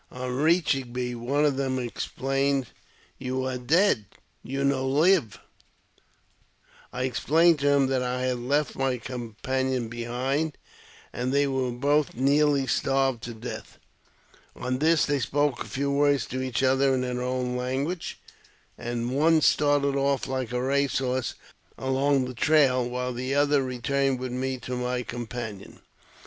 On reaching me, one of them exclaimed, You are dead — you no live !" I explained to him that I had left my companion behind, and that we were both nearly starved to death. On this they spoke a few words to each other in their own language, and one started off like a race horse, along the trail, while the other re turned with me to my companion.